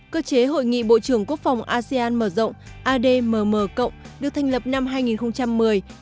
cơ chế hội nghị bộ trưởng quốc phòng asean mở rộng admm cộng được thành lập năm hai nghìn một mươi